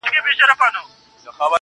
خو روان یو